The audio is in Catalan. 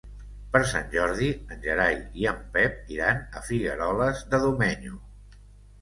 Per Sant Jordi en Gerai i en Pep iran a Figueroles de Domenyo.